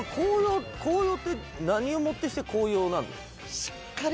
紅葉って何をもってして紅葉なんですか？